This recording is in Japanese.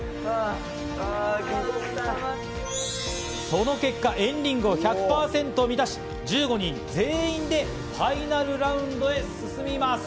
その結果、＆ＲＩＮＧを１００％を満たし、１５人全員でファイナルラウンドへ進みます。